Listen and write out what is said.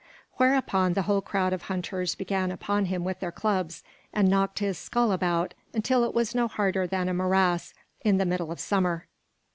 Whereupon the whole crowd of hunters began upon him with their clubs, and knocked his skull about until it was no harder than a morass in the middle of summer.